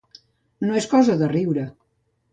No és cosa de riure.